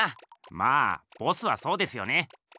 まあボスはそうですよね。